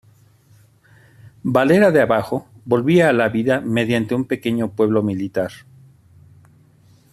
Valera de Abajo volvía a la vida mediante un pequeño pueblo militar.